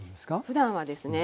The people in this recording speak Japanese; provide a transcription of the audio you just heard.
ふだんはですね